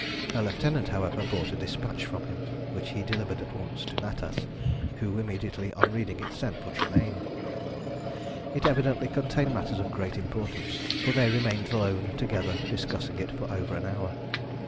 Her lieutenant, however, brought a despatch from him, which he delivered at once to Natas, who, immediately on reading it, sent for Tremayne. It evidently contained matters of great importance, for they remained alone together discussing it for over an hour.